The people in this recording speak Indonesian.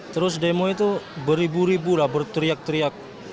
terus demo itu beribu ribu lah berteriak teriak